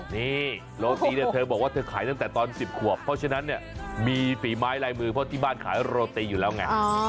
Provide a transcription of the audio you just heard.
นี่โรตีเนี่ยเธอบอกว่าเธอขายตั้งแต่ตอน๑๐ขวบเพราะฉะนั้นเนี่ยมีฝีไม้ลายมือเพราะที่บ้านขายโรตีอยู่แล้วไง